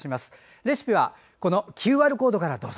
レシピはＱＲコードからどうぞ。